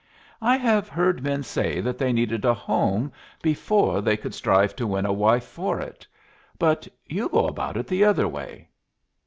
"I have heard men say that they needed a home before they could strive to win a wife for it. But you go about it the other way."